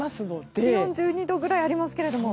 気温１２度ぐらいありますけど。